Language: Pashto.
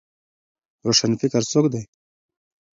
روشنفکر څوک دی؟